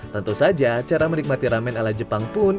tentu saja cara menikmati ramen ala jepang pun